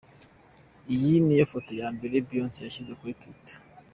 Iyi niyo foto ya mbere Beyonce yashyize kuri twitter.